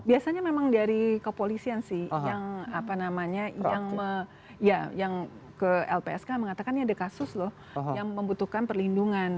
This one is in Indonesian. biasanya memang dari kepolisian sih yang apa namanya yang ke lpsk mengatakan ya ada kasus loh yang membutuhkan perlindungan